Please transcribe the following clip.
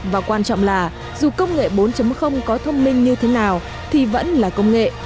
và quan trọng là dù công nghệ bốn có thông minh như thế nào thì vẫn là công nghệ